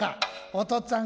おとっつぁん